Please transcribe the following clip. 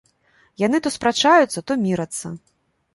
Яны то спрачаюцца, то мірацца.